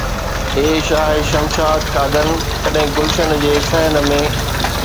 اي شاهه شمشاد قادن، ڪڏهن گلشن جي صحن ۾